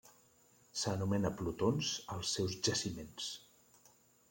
S’anomena plutons als seus jaciments.